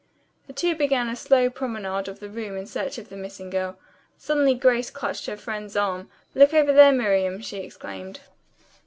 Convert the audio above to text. The two began a slow promenade of the room in search of the missing girl. Suddenly Grace clutched her friend's arm. "Look over there, Miriam!" she exclaimed.